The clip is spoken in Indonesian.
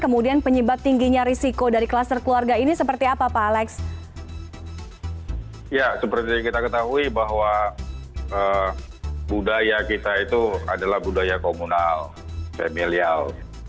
budaya kita itu adalah budaya komunal familial